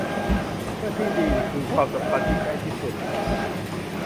เพื่อนที่ดีคือความสัมพันธ์ที่ใกล้ที่สุด